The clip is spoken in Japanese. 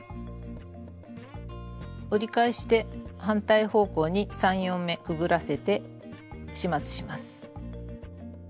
折り返して反対方向に３４目くぐらせて始末します。